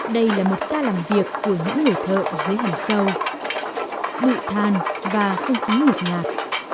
đây là một ca làm việc của những người thợ dưới hầm sâu nội than và không tính ngột nhạt